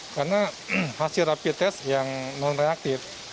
karena hasil rapid test yang non reaktif